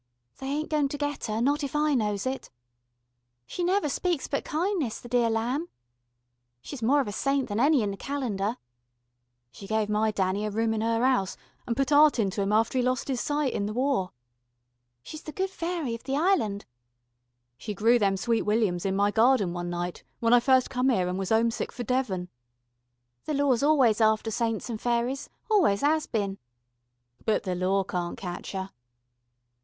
"They ain't goin' to get 'er, not if I knows it." "She never speaks but kindness, the dear lamb." "She's more of a saint than any in the Calendar." "She gave my Danny a room in 'er house, and put 'eart into 'im after 'e lost 'is sight in the War." "She's the good fairy of the Island." "She grew all them Sweet Williams in my garden in one night, when I first come 'ere and was 'omesick for Devon." "The law's always after saints and fairies, always 'as bin." "But the law can't catch 'er."